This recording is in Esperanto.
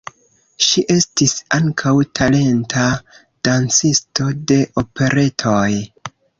Ŝi estis ankaŭ talenta dancisto de operetoj.